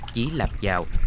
chí lạp dạo